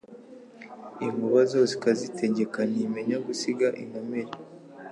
Inkuba zose ikazitegek Ntimenya gusiga inkomeri